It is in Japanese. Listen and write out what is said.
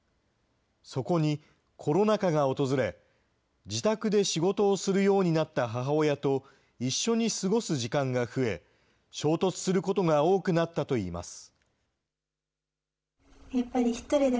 そこにコロナ禍が訪れ、自宅で仕事をするようになった母親と一緒に過ごす時間が増え、衝突することが多くなったといいます。